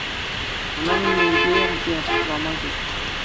Ӑна нимӗнпе те хуплама ҫук.